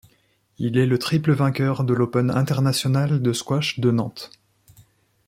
Il est le triple vainqueur de l'Open international de squash de Nantes.